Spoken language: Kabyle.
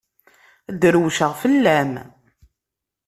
Drewceɣ fell-am.